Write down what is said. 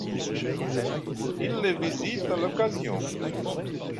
Il les visite à l’occasion.